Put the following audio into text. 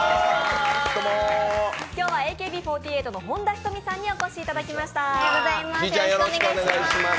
今日はＡＫＢ４８の本田仁美さんにお越しいただきました。